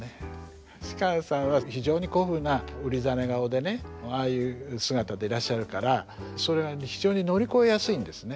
芝さんは非常に古風なうりざね顔でねああいう姿でいらっしゃるからそれがね非常に乗り越えやすいんですね。